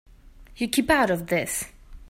You keep out of this.